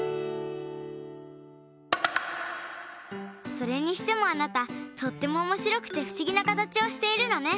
それにしてもあなたとってもおもしろくてふしぎなかたちをしているのね。